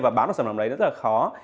và báo được sản phẩm đấy rất là khó